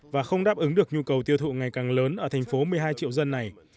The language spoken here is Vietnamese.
và không đáp ứng được nhu cầu tiêu thụ ngày càng lớn ở thành phố một mươi hai triệu dân này